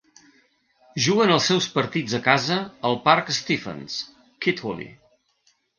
Juguen els seus partits a casa al Parc Stephen's, Kidwelly.